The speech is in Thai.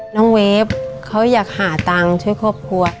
เวฟเขาอยากหาตังค์ช่วยครอบครัว